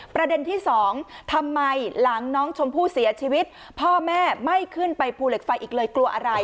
ประเด็นที่สองทำไมหลังน้องชมพู่เสียชีวิตพ่อแม่ไม่ขึ้นไปภูเหล็กไฟอีกเลยกลัวอะไร